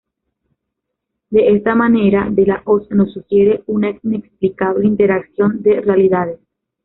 De esta manera, De la Hoz nos sugiere una inexplicable interacción de realidades.